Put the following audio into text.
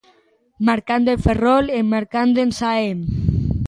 Marcando en Ferrol e marcando en Xaén.